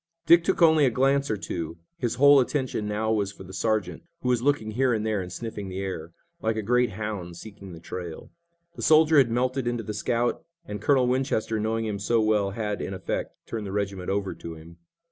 Dick took only a glance or two. His whole attention now was for the sergeant, who was looking here and there and sniffing the air, like a great hound seeking the trail. The soldier had melted into the scout, and Colonel Winchester, knowing him so well, had, in effect, turned the regiment over to him.